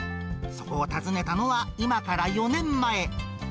そこを訪ねたのは、今から４年前。